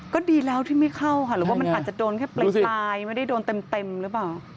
ก็ดีแล้วที่ไม่เข้าค่ะหรือว่ามันอาจจะโดนแค่ปลายไม่ได้โดนเต็มหรือเปล่า